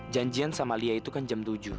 janjian sama lia itu kan jam tujuh